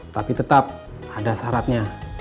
tapi tetap ada syaratnya